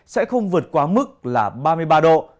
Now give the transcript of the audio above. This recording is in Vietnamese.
sẽ không vượt quá mức là ba mươi ba độ